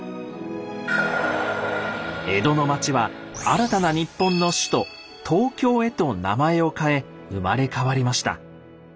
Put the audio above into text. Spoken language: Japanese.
江戸の町は新たな日本の首都「東京」へと名前を変え生まれ変わりました。